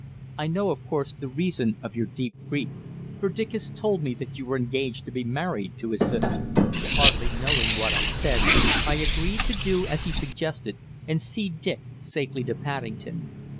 I know, of course, the reason of your deep grief, for Dick has told me that you are engaged to be married to his sister." Hardly knowing what I said, I agreed to do as he suggested, and see Dick safely to Paddington.